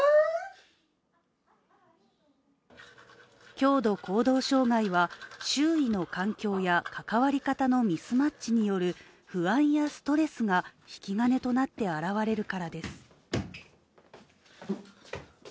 強度行動障害は、周囲の環境や関わり方のミスマッチによる不安やストレスが引き金となって現れるからです。